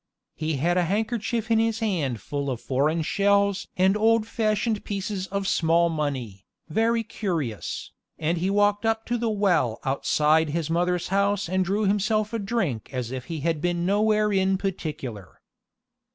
He had a handkerchief in his hand full of foreign shells and old fashioned pieces of small money, very curious, and he walked up to the well outside his mother's house and drew himself a drink as if he had been nowhere in particular.